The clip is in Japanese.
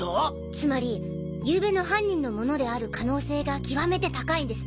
つまりゆうべの犯人のものである可能性が極めて高いんですね？